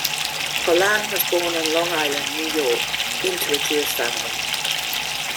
Pollan was born on Long Island, New York, into a Jewish family.